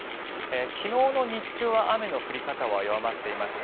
昨日の日中は雨の降り方は弱まっていました。